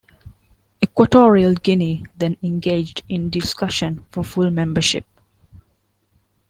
Equatorial Guinea then engaged in discussion for full membership.